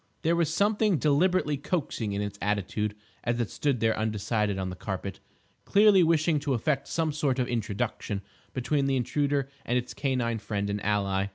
There was something deliberately coaxing in its attitude as it stood there undecided on the carpet, clearly wishing to effect some sort of introduction between the Intruder and its canine friend and ally.